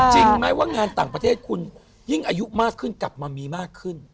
จริงไหมว่างานต่างประเทศคุณยิ่งอายุมากขึ้นกลับมามีมากขึ้น